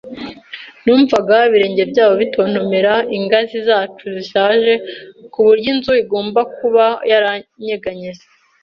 Numvaga ibirenge byabo bitontomera ingazi zacu zishaje, kuburyo inzu igomba kuba yaranyeganyeze